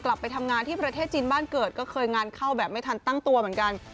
กลับไปทำงานที่ประเทศจีนบ้านเกิดก็เคยงานเข้าแบบไม่ทันตั้งตัวเหมือนกัน